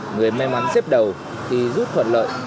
người may mắn xếp đầu thì rút thuận lợi